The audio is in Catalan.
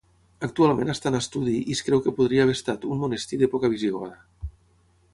Actualment està en estudi i es creu que podria haver estat un monestir d'època visigoda.